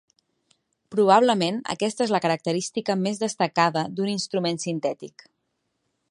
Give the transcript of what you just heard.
Probablement aquesta és la característica més destacada d'un instrument sintètic.